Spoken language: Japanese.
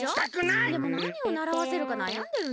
でもなにをならわせるかなやんでるの。